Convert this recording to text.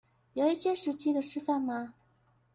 有一些實際的示範嗎